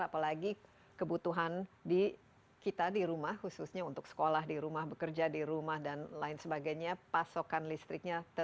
apalagi kebutuhan kita di rumah khususnya untuk sekolah di rumah bekerja di rumah dan lain sebagainya pasokan listriknya